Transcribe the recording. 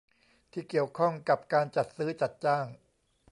ที่เกี่ยวข้องกับการจัดซื้อจัดจ้าง